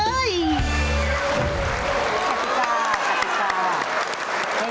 คัติกาคัติกา